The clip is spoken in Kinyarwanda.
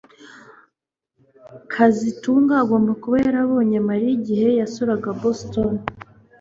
kazitunga agomba kuba yarabonye Mariya igihe yasuraga Boston